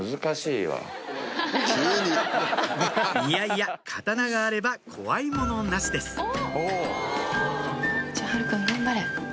いやいや刀があれば怖いものなしです